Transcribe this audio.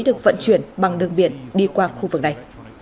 được vận chuyển bằng đường biển đi qua khu vực này